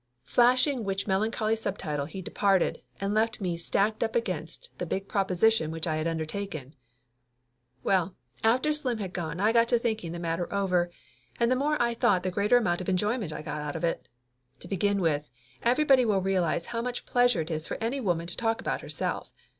Flashing which melancholy subtitle he departed, and left me stacked up against the big proposition which I had undertaken. Well, after Slim had gone I got to thinking the matter over, and the more I thought the greater amount of enjoyment I got out of it. To begin with, everybody will realize how much pleasure it is for any woman to talk about herself.